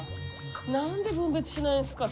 何で分別しないんですか？